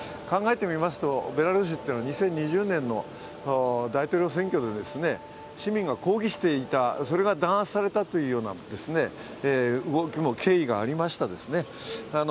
考えてみますとベラルーシは２０２０年の大統領選挙で市民が抗議していたそれが弾圧されたというような動き、経緯もありましたね。